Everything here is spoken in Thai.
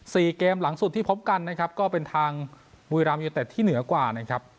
เกมหลังสุดที่พบกันนะครับก็เป็นทางบุรีรามยูเต็ดที่เหนือกว่านะครับ